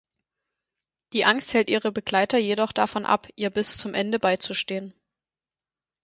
Die Angst hält ihre Begleiter jedoch davon ab, ihr bis zum Ende beizustehen.